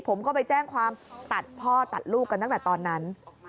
ผมก็ไปแจ้งความตัดพ่อตัดลูกกันตั้งแต่ตอนนั้น